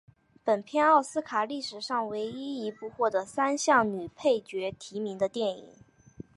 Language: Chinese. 本片奥斯卡历史上唯一一部获得三项女配角提名的电影。